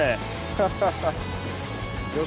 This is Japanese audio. ハハハッ。